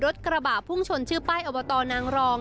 กระบะพุ่งชนชื่อป้ายอบตนางรอง